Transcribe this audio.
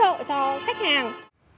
hỗ trợ cho khách hàng